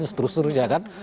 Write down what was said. seterus terus ya kan